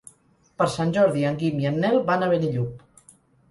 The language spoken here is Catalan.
Per Sant Jordi en Guim i en Nel van a Benillup.